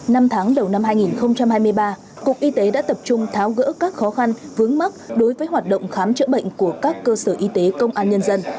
năm tháng đầu năm hai nghìn hai mươi ba cục y tế đã tập trung tháo gỡ các khó khăn vướng mắt đối với hoạt động khám chữa bệnh của các cơ sở y tế công an nhân dân